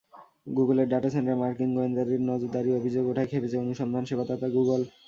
গুগলের ডাটা সেন্টারে মার্কিন গোয়েন্দাদের নজরদারির অভিযোগ ওঠায় খেপেছে অনুসন্ধান সেবাদাতা গুগল।